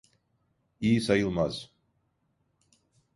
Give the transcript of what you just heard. İyi sayılmaz.